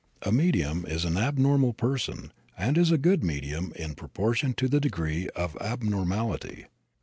A medium is an abnormal person and is a good medium in proportion to the degree of abnormality.